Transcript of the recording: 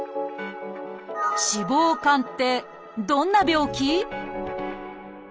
脂肪肝ってどんな病気？